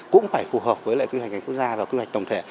cũng phải phù hợp với lại quy hoạch ngành quốc gia và quy hoạch tổng thể